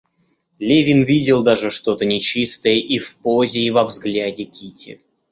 Левин видел даже что-то нечистое и в позе и во взгляде Кити.